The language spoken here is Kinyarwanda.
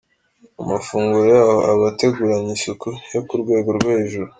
Amafunguro yaho aba ateguranye isuku yo ku rwego rwo hejuru.